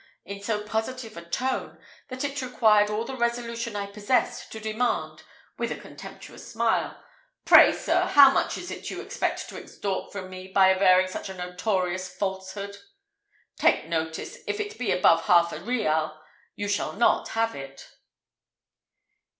in so positive a tone, that it required all the resolution I possessed to demand, with a contemptuous smile, "Pray, sir, how much is it you expect to extort from me, by averring such a notorious falsehood? Take notice, if it be above half a rial, you shall not have it."